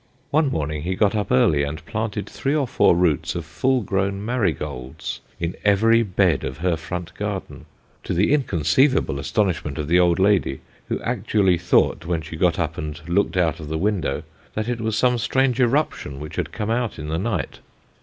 One morning he got up early, and planted three or four The Captain. 9 roots of full grown marigolds in every bed of her front garden, to the inconceivable astonishment of the old lady, who actually thought when she got up and looked out of the window, that it was some strange eruption which had come out in the night.